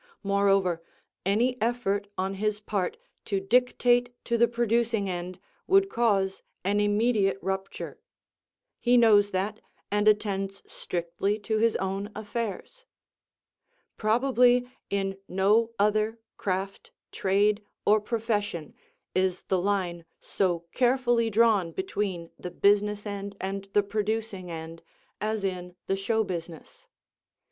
Moreover, any effort on his part to dictate to the producing end would cause an immediate rupture. He knows that, and attends strictly to his own affairs. Probably in no other craft, trade or profession is the line so carefully drawn between the business end and the producing end as in the show business.